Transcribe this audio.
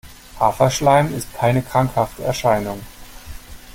Haferschleim ist keine krankhafte Erscheinung.